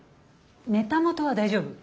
ネタ元は大丈夫？